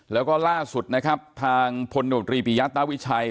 แล้วก็ล่าสุดนะครับทางพลโนตรีปียะตาวิชัย